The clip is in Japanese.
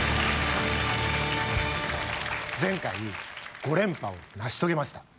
前回５連覇を成し遂げました。